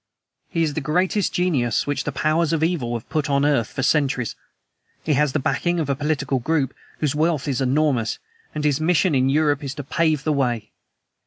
He is the greatest genius which the powers of evil have put on earth for centuries. He has the backing of a political group whose wealth is enormous, and his mission in Europe is to PAVE THE WAY!